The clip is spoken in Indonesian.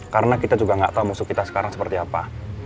karena kita juga gak tahu musuh kita sekarang seperti apa